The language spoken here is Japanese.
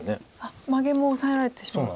マゲもオサえられてしまうと。